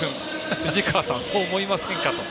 藤川さんそう思いませんか？と。